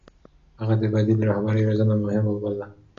هغه د بديل رهبرۍ روزنه مهمه بلله.